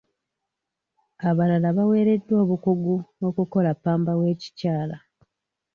Abalala baaweereddwa obukugu okukola ppamba w'ekikyala.